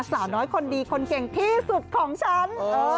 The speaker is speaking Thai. สาวน้อยคนดีคนเก่งที่สุดของฉัน